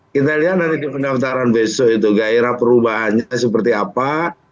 kita lihat nanti di pendaftaran besok itu gairah perubahannya seperti apa